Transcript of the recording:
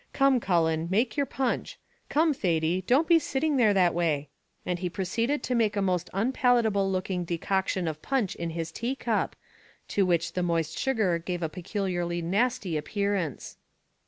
Come, Cullen, make your punch; come, Thady, don't be sitting there that way;" and he proceeded to make a most unpalatable looking decoction of punch in his tea cup, to which the moist sugar gave a peculiarly nasty appearance.